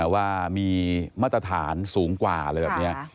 ว่ามีมาตรฐานสูงกว่าอะไรแบบนี้